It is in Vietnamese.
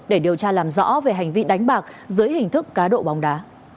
để điều tra làm rõ về hành vi đánh bạc dưới hình thức cá độ bóng đá